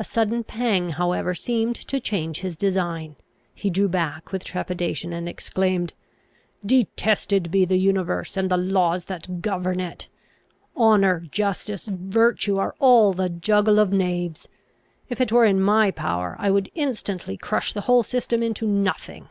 A sudden pang however seemed to change his design! he drew back with trepidation, and exclaimed, "Detested be the universe, and the laws that govern it! Honour, justice, virtue, are all the juggle of knaves! If it were in my power I would instantly crush the whole system into nothing!"